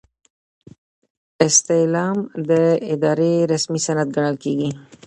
استعلام د ادارې رسمي سند ګڼل کیږي.